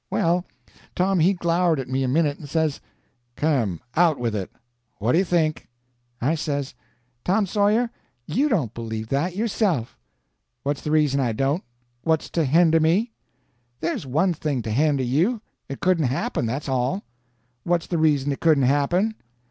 Well, Tom he glowered at me a minute, and says: "Come, out with it. What do you think?" I says: "Tom Sawyer, you don't believe that, yourself." "What's the reason I don't? What's to hender me?" "There's one thing to hender you: it couldn't happen, that's all." "What's the reason it couldn't happen?"